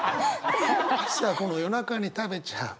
さあこの夜中に食べちゃう。